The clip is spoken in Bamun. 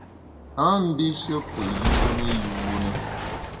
A mbishe pe yuni yune.